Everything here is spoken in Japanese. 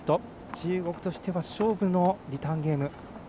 中国としては勝負のリターンゲーム。